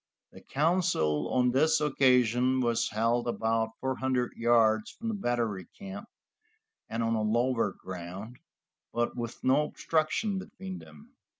The council on this occasion was held about four hundred yards from the battery camp, and on lower ground, but with no obstruction between them.